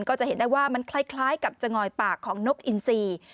ก็จะเห็นได้ว่ามันคล้ายกับจะงอยปากของนกอินซี